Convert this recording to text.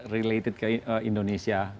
related ke indonesia